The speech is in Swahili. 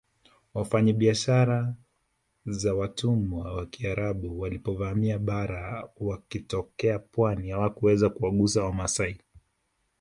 Wafanyabiashara za watumwa wa Kiarabu walipovamia bara wakitokea pwani hawakuweza kuwagusa wamasai